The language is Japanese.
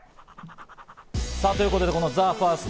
さぁ、ということで、ＴＨＥＦＩＲＳＴ。